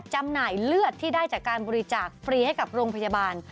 จำหน่ายเลือดที่ได้จากการบริจาคฟรีให้กับโรงพยาบาล